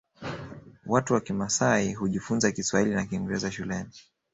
Watu wa kimasai hujifunza kiswahili na kingeraza shuleni